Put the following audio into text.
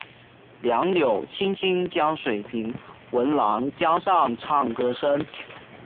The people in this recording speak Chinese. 杨柳青青江水平，闻郎江上唱歌声。